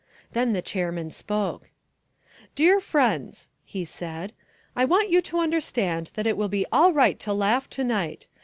Then the chairman spoke: "Dear friends," he said, "I want you to understand that it will be all right to laugh tonight.